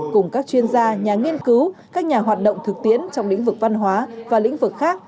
cùng các chuyên gia nhà nghiên cứu các nhà hoạt động thực tiễn trong lĩnh vực văn hóa và lĩnh vực khác